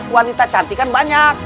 wanita cantik kan banyak